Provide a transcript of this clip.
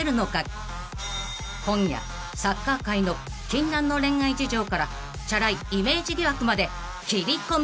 ［今夜サッカー界の禁断の恋愛事情からチャラいイメージ疑惑まで切り込みます］